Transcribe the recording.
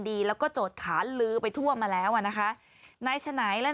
ดีแล้วก็โจทย์ขาลือไปทั่วมาแล้วอ่ะนะคะนายฉนัยและ